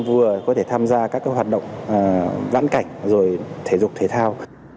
vừa có thể tham gia các hoạt động vãn cảnh rồi thể dục thể thao